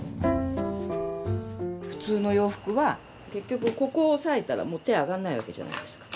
普通の洋服は結局ここを押さえたら手上がんない訳じゃないですか。